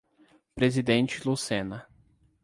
Presidente Lucena